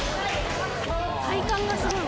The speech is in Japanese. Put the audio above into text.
体幹がすごい。